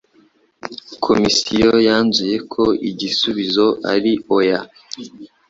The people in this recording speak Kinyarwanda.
Komisiyo yanzuye ko igisubizo ari oya.